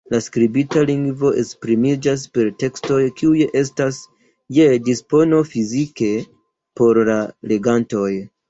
La skribita lingvo esprimiĝas per tekstoj kiuj estas je dispono fizike por la legantoj.